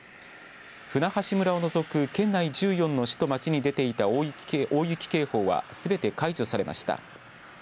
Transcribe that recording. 舟橋村を除く県内１４の市と町に出ていた大雪警報はすべて解除されました。